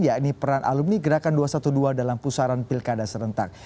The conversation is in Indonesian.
yakni peran alumni gerakan dua ratus dua belas dalam pusaran pilkada serentak